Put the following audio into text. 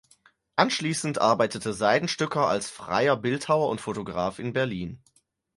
Anschließend arbeitete Seidenstücker als freier Bildhauer und Fotograf in Berlin.